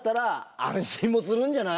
安心もするんじゃない？